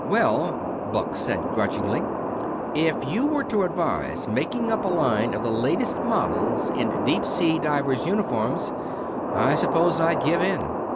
"Well," Buck said grudgingly, "if you were to advise making up a line of the latest models in deep sea divers' uniforms, I suppose I'd give in.